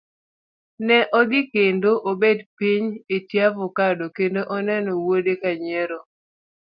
Ne odhi kendo obet piny etie avacado kendo oneno wuode ka nyiero.